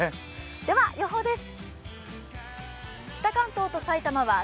では予報です。